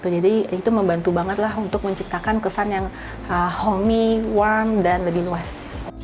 jadi itu membantu banget lah untuk menciptakan kesan yang homey warm dan lebih luas